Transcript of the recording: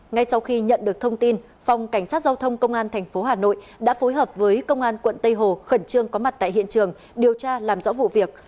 ngay sau khi nhận được thông tin phòng cảnh sát giao thông công an tp hà nội đã phối hợp với công an quận tây hồ khẩn trương có mặt tại hiện trường điều tra làm rõ vụ việc